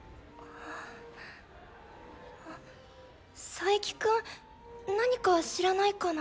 佐伯くん何か知らないかな？